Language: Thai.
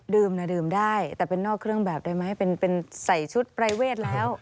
ดื่มได้แต่เป็นนอกเครื่องแบบได้ไหมเป็นใส่ชุดปรายเวทแล้ว